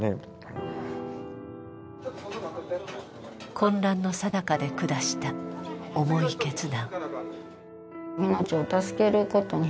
混乱のさなかで下した重い決断。